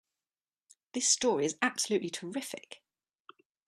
This story is absolutely terrific!